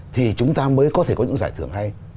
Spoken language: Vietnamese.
thì chúng ta mới có thể có những giải thưởng hay